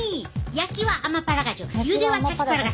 焼きはアマパラガジュゆではシャキパラガス